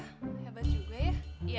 hebat juga ya